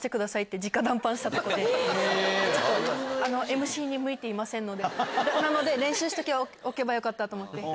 ＭＣに向いていませんので練習しておけばよかったと思って。